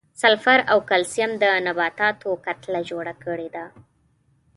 سلفر او کلسیم د نباتاتو کتله جوړه کړې ده.